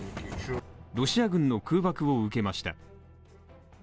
ロシア軍の空爆を受けました。